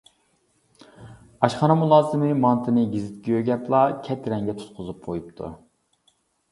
ئاشخانا مۇلازىمى مانتىنى گېزىتكە يۆگەپلا كەترەنگە تۇتقۇزۇپ قويۇپتۇ.